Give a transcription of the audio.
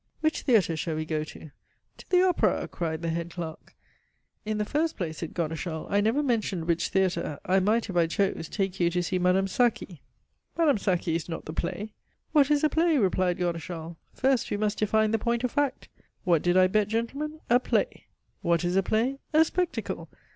"Which theatre shall we go to?" "To the opera," cried the head clerk. "In the first place," said Godeschal, "I never mentioned which theatre. I might, if I chose, take you to see Madame Saqui." "Madame Saqui is not the play." "What is a play?" replied Godeschal. "First, we must define the point of fact. What did I bet, gentlemen? A play. What is a play? A spectacle.